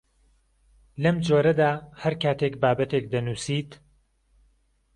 لەم جۆرەدا هەر کاتێک بابەتێک دەنووسیت